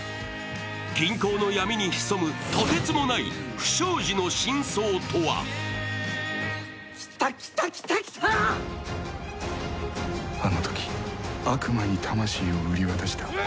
銀行の闇に潜むとてつもない不祥事の真相とはあのとき悪魔に魂を売り渡した。